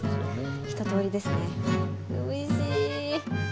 おいしい。